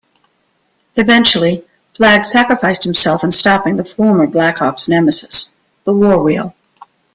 Eventually, Flag sacrificed himself in stopping the former Blackhawks' nemesis, the War Wheel.